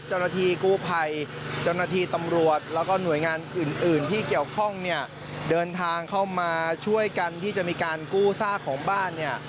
เจ้าหน้าที่กู้ไพจรภิตรรวจแล้วก็หน่วยงานอื่นที่เกี่ยวข้องเดินทางเข้ามาช่วยกันให้มีการกู้ซากของบ้าน